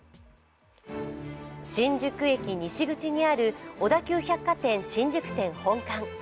新宿駅西口にある小田急百貨店新宿店本館。